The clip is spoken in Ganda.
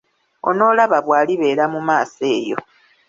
Onoolaba bw’alibeera mu maaso eyo.